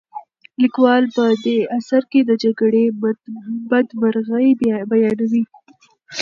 لیکوال په دې اثر کې د جګړې بدمرغۍ بیانوي.